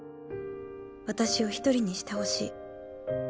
私を一人にしてほしい。